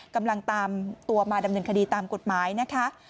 กำลังตามตัวมาดำเนินคดีตามกฎหมายนะคะ